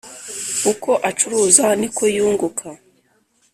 Uko acuruza ni ko yunguka